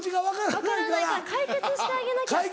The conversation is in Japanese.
分からないから解決してあげなきゃって。